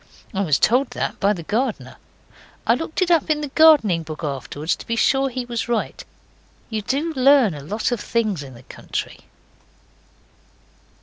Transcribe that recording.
I was told that by the gardener. I looked it up in the gardening book afterwards to be sure he was right. You do learn a lot of things in the country.)